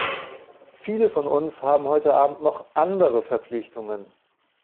Viele von uns haben heute abend noch andere Verpflichtungen.